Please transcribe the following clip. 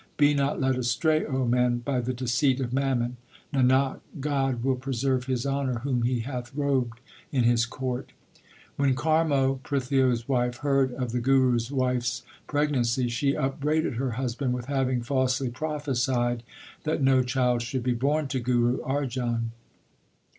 Be not led astray, O man, by the deceit of mammon. Nanak, God will preserve his honour whom He hath robed in His court. 4 When Karmo, Prithia s wife, heard of the Guru s wife s pregnancy, she upbraided her husband with having falsely prophesied that no child should be born to Guru Arjan.